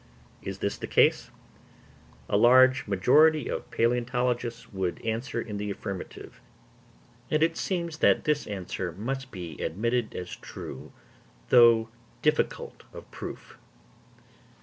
Is this the case? A large majority of palæontologists would answer in the affirmative; and it seems that this answer must be admitted as true, though difficult of proof.